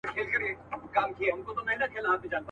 د هغو لپاره یو دي څه دننه څه د باندي.